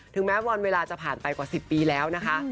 แม้วันเวลาจะผ่านไปกว่า๑๐ปีแล้วนะคะ